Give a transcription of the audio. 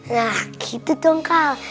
nah gitu dong kal